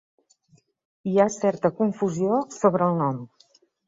Hi ha certa confusió sobre el nom.